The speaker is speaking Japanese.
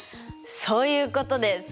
そういうことです！